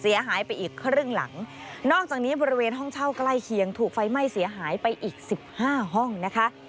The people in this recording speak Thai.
เสียหายไปอีกครึ่งหลังนอกจากนี้บริเวณห้องเช่าใกล้เคียงถูกไฟไหม้เสียหายไปอีกสิบห้าห้องนะคะ